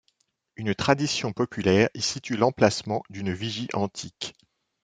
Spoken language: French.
Une tradition populaire y situe l'emplacement d'une vigie antique.